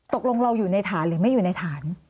ตกลงเราอยู่ในฐานหรือไม่อยู่ในฐาน